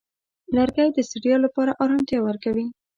لرګی د ستړیا لپاره آرامتیا ورکوي.